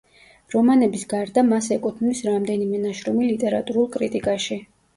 რომანების გარდა მას ეკუთვნის რამდენიმე ნაშრომი ლიტერატურულ კრიტიკაში.